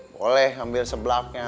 boleh ambil sebelaknya